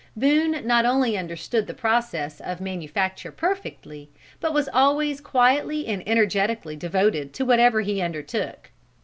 Boone not only understood the process of manufacture perfectly, but was always quietly and energetically devoted to whatever he undertook.